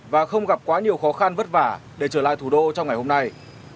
và không gặp quá nhiều khó khăn vất vả để trở lại thủ đô trong ngày hôm nay